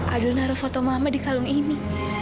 adil taro foto mama di kalung ini